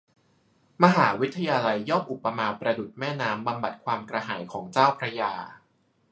มหาวิทยาลัยย่อมอุปมาประดุจแม่น้ำ บำบัดความกระหายของเจ้าพระยา